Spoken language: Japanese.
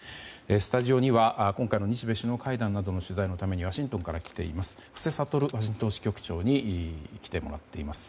スタジオには今回の日米首脳会談などの取材のためにワシントンから来ています布施哲支局長に来てもらっています。